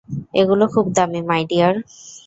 এগুলো খুব দামী, মাই ডিয়ার।